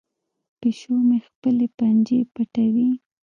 پیشو مې خپلې پنجې پټوي.